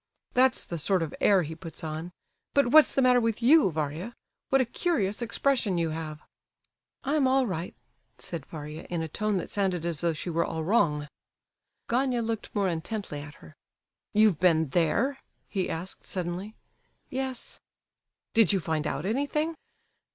That's the sort of air he puts on; but what's the matter with you, Varia? What a curious expression you have!" "I'm all right," said Varia, in a tone that sounded as though she were all wrong. Gania looked more intently at her. "You've been there?" he asked, suddenly. "Yes." "Did you find out anything?"